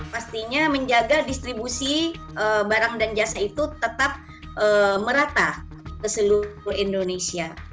pastinya menjaga distribusi barang dan jasa itu tetap merata ke seluruh indonesia